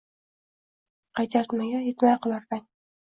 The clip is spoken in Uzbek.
qoraytmaga yetmay qolar rang